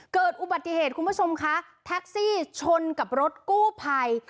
เกิดอุบัติเหตุคุณผู้ชมคะแท็กซี่ชนกับรถกู้ภัย